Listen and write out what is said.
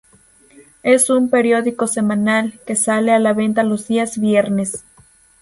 Es un periódico semanal, que sale a la venta los días viernes.